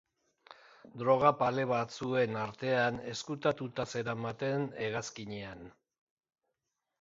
Droga pale batzuen artean ezkutatuta zeramaten hegazkinean.